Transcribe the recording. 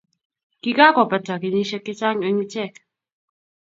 Kikakopata kenyisiek chechang eng ichek